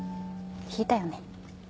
引いたよね。